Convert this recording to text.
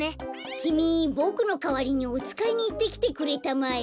きみボクのかわりにおつかいにいってきてくれたまえ。